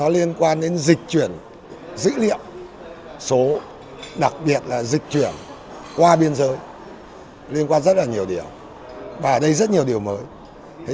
liên quan rất là nhiều điều và ở đây rất nhiều điều mới